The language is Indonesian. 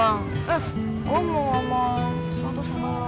eh gue mau ngomong sesuatu sama lo